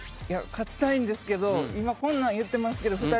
勝ちたいんですけど今こんなん言ってますけど。